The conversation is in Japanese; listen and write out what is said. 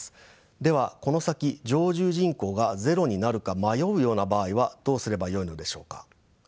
ではこの先常住人口がゼロになるか迷うような場合はどうすればよいのでしょうか。